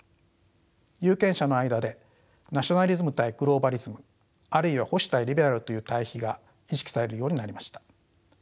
有権者の間でナショナリズム対グローバリズムあるいは保守対リベラルという対比が意識されるようになりました。